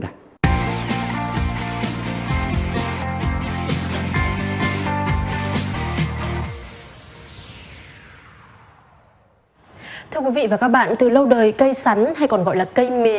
là cỡ ba mươi mấy nghìn một ký